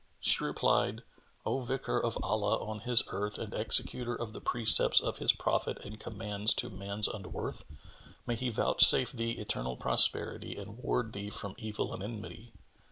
She replied, "O Vicar of Allah on His earth and Executor of the precepts of His prophet and commands to man's unworth,[FN#20] may He vouchsafe thee eternal prosperity and ward thee from evil and enmity!